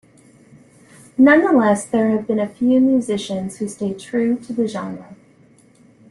Nonetheless, there have been a few musicians who stay true to the genre.